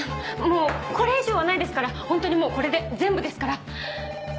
もうこれ以上はないですから本当にもうこれで全部ですから。